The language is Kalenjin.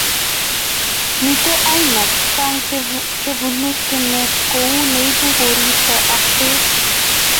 Mitei aina che chang chebo stimet kou nebunu koristo ak pek